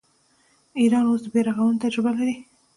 ایران اوس د بیارغونې تجربه لري.